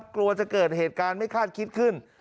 กลัวจะเกิดเหตุการณ์ไม่คาดคิดขึ้น